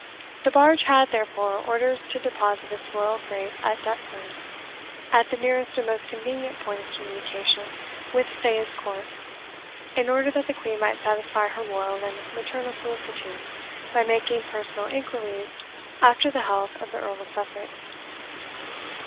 The barge had, therefore, orders to deposit its royal freight at Deptford, at the nearest and most convenient point of communication with Sayes Court, in order that the Queen might satisfy her royal and maternal solicitude, by making personal inquiries after the health of the Earl of Sussex.